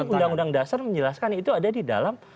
undang undang dasar menjelaskan itu ada di dalam